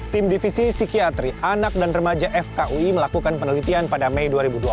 tim divisi psikiatri anak dan remaja fkui melakukan penelitian pada mei dua ribu dua puluh